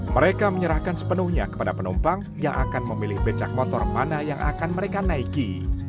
mereka menyerahkan sepenuhnya kepada penumpang yang akan memilih becak motor mana yang akan mereka naiki